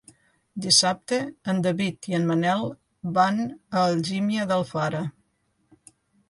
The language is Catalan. Dissabte en David i en Manel van a Algímia d'Alfara.